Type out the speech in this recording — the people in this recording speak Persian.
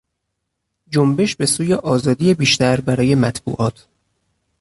جنبش به سوی آزادی بیشتر برای مطبوعات